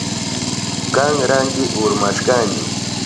Kanranti urmashkani.